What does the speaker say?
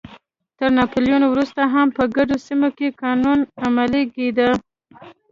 تر ناپلیون وروسته هم په ګڼو سیمو کې قانون عملی کېده.